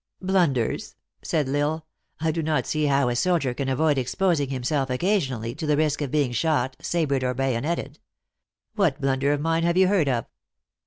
" Blunders ?" said L Isle, " I do not see how a soldier can avoid exposing himself occasionally to the risk of being shot, sabred, or bayoneted. What blun der of mine have you heard of?"